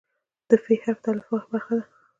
د "ف" حرف د الفبا برخه ده.